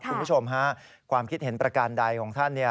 คุณผู้ชมฮะความคิดเห็นประการใดของท่าน